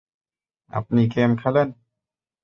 আপনি গেম খেলেন?